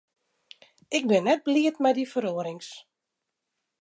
Ik bin net bliid mei dy feroarings.